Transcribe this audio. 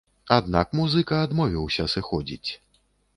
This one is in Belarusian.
Аднак музыка адмовіўся сыходзіць.